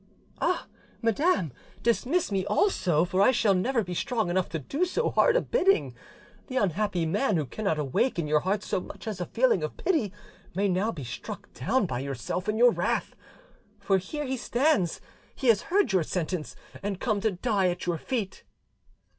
"Ah, madam, dismiss me also; for I shall never be strong enough to do so hard a bidding: the unhappy man who cannot awake in your heart so much as a feeling of pity may now be struck down by yourself in your wrath, for here he stands; he has heard your sentence, and come to die at your feet."